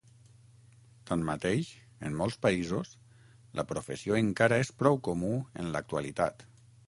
Tanmateix, en molts països, la professió encara és prou comú en l'actualitat.